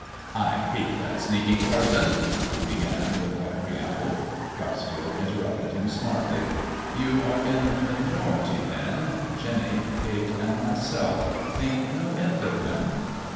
" I hate that sneaking parson," he began without pre amble. Dreuxfield interrupted him smartly. "You are in the minority then. Jenny, Kate, and myself think no end of him."